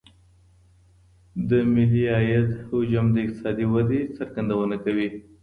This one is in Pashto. د ملي عايد حجم د اقتصادي ودي څرګندونه کوي.